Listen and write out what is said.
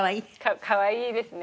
かわいいですね。